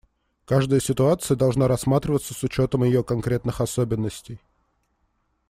Каждая ситуация должна рассматриваться с учетом ее конкретных особенностей.